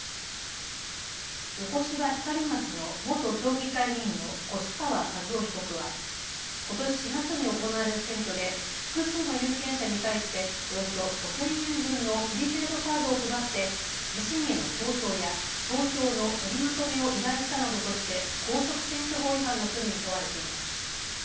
横芝光町の元町議会議員の越川一雄被告はことし４月に行われた選挙で複数の有権者に対しておよそ５０００円分のプリペイドカードを配って自身への投票や投票の取りまとめを依頼したなどとして公職選挙法違反の罪に問われています。